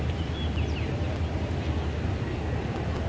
asal sekolah sma negeri tiga puluh